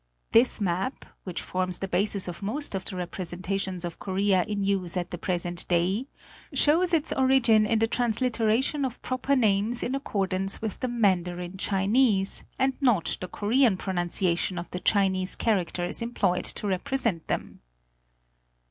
This map, which forms the basis of most of the representations of Korea in use at the present day, shows its origin in the transliteration of proper names in accordance with the Mandarin Chinese and not the Korean pronunciation of the Chinese characters employed to rep resent them.